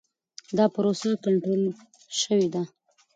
دا پروسه کنټرول شوې ده.